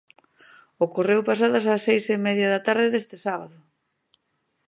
Ocorreu pasadas as seis e medida da tarde deste sábado.